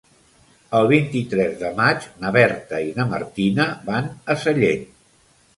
El vint-i-tres de maig na Berta i na Martina van a Sallent.